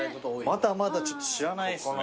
まだまだちょっと知らないですね。